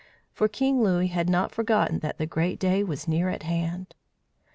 For King Louis had not forgotten that the great day was near at hand.